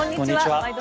「ワイド！